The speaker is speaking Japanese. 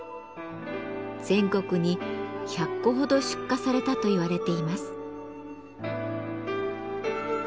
全国に１００個ほど出荷されたと言われています。